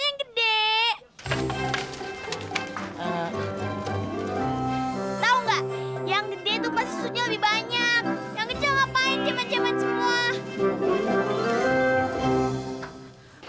yang kecil ngapain jembat jembat semua